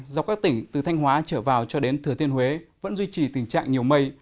dọc các tỉnh từ thanh hóa trở vào cho đến thừa tiên huế vẫn duy trì tình trạng nhiều mây